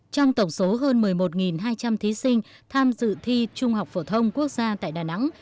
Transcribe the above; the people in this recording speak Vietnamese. trong tổng số hơn một mươi một hai trăm linh thí sinh tham dự thi trung học phổ thông quốc gia tại đà nẵng